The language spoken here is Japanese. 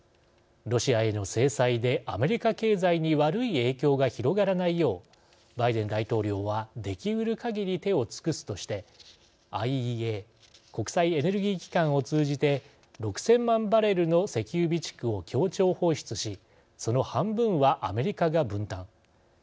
ロシアへの制裁でアメリカ経済に悪い影響が広がらないようバイデン大統領はできうるかぎり手を尽くすとしてＩＥＡ＝国際エネルギー機関を通じて、６０００万バレルの石油備蓄を協調放出しその半分は、アメリカが分担。